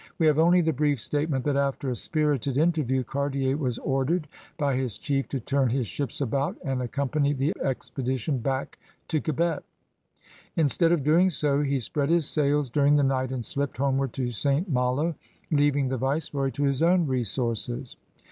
We have only the brief statement that after a spirited inter view Cartier was ordered by his chief to turn his ships about and accompany the expedition back to Quebec. Instead of doing so, he spread his sails during the night and slipped homeward to St. Malo, leaving the viceroy to his own resources.